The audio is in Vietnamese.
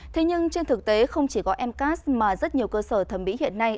thế nhưng trên thực tế không chỉ có mcas mà rất nhiều cơ sở thẩm mỹ hiện nay